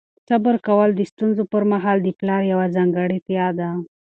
صبر کول د ستونزو پر مهال د پلار یوه ځانګړتیا ده.